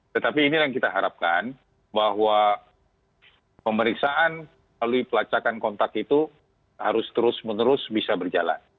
tetapi ini yang kita harapkan bahwa pemeriksaan melalui pelacakan kontak itu harus terus menerus bisa berjalan